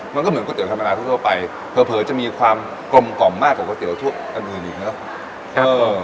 มันก็เหมือนก๋วเตี๋ธรรมดาทั่วไปเผลอจะมีความกลมกล่อมมากกว่าก๋วยเตี๋ยวทั่วอันอื่นอีกเนอะ